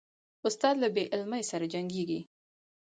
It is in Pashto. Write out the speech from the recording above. استاد له بې علمۍ سره جنګیږي.